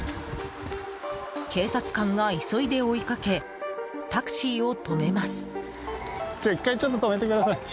警察官が急いで追いかけタクシーを止めます。